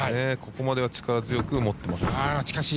ここまでは力強く持っています。